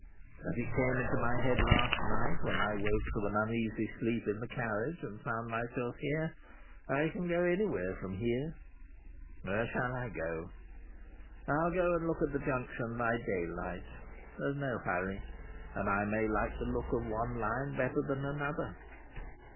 As it came into my head last night when I woke from an uneasy sleep in the carriage and found myself here, I can go anywhere from here. Where shall I go? I'll go and look at the Junction by daylight. There's no hurry, and I may like the look of one Line better than another."